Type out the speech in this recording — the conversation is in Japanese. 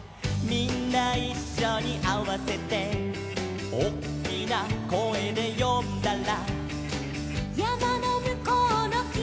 「みんないっしょにあわせて」「おっきな声で呼んだら」